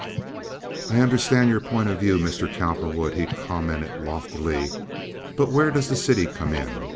"I understand your point of view, Mr. Cowperwood," he commented, loftily, "but where does the city come in?